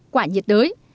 quả nhiệt đới